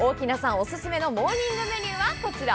オススメのモーニングメニューがこちら。